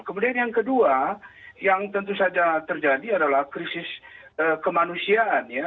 kemudian yang kedua yang tentu saja terjadi adalah krisis kemanusiaan ya